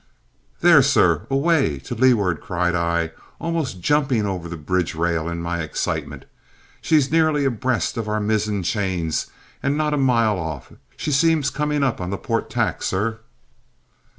"There, sir, away to leeward," cried I, almost jumping over the bridge rail in my excitement. "She's nearly abreast of our mizzen chains and not a mile off. She seems coming up on the port tack, sir!"